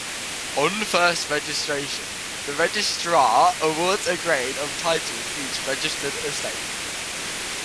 On first registration, the registrar awards a grade of title to each registered estate.